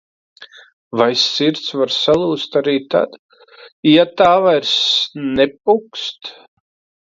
Vai sirds var salūzt arī tad, ja tā vairs nepukst?